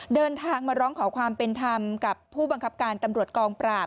เดินทางมาร้องขอความเป็นธรรมกับผู้บังคับการตำรวจกองปราบ